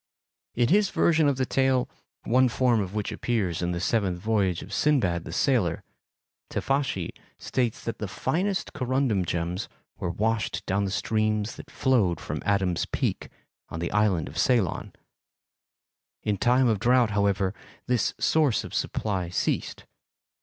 In his version of the tale, one form of which appears in the seventh voyage of Sindbad the Sailor, Teifashi states that the finest corundum gems were washed down the streams that flowed from Adam's Peak, on the island of Ceylon; in time of drought, however, this source of supply ceased.